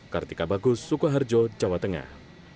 kartika bagus sukoharjo jawa tengah